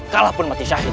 kalah pun mati syahid